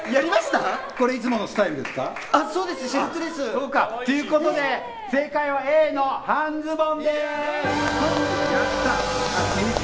いつものスタイルですか？ということで正解はＡの半ズボンです。